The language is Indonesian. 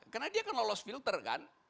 karena dia kan lolos filter kan